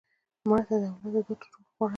مړه ته د اولاد دعا تر ټولو غوره ده